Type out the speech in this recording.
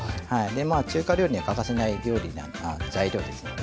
中華料理には欠かせない料理材料ですのでね。